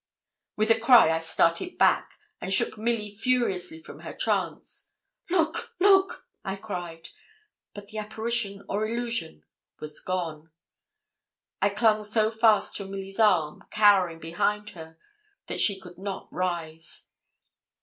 With a cry, I started back, and shook Milly furiously from her trance. 'Look! look!' I cried. But the apparition or illusion was gone. I clung so fast to Milly's arm, cowering behind her, that she could not rise.